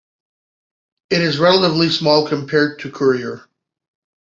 It is relatively small compared to Courier.